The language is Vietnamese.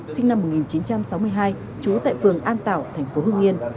sinh năm một nghìn chín trăm sáu mươi hai trú tại phường an tảo thành phố hương yên